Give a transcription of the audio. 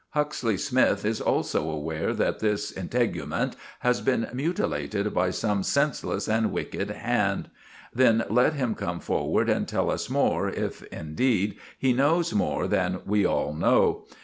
Huxley Smythe is also aware that this integument has been mutilated by some senseless and wicked hand. Then let him come forward and tell us more, if, indeed, he knows more than we all know.